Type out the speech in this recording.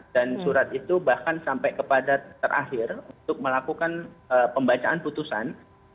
dan surat itu bahkan sampai kepada terakhir untuk melakukan pembacaan putusan